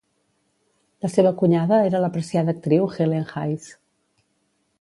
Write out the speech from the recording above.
La seva cunyada era l'apreciada actriu Helen Hayes.